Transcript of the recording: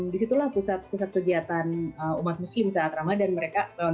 di situlah pusat pusat kegiatan umat muslim saat ramadhan